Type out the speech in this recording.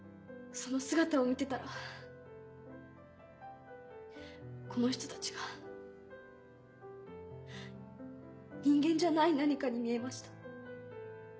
その姿を見てたらこの人たちが人間じゃない何かに見えました。